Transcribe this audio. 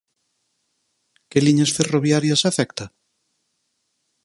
Que liñas ferroviarias afecta?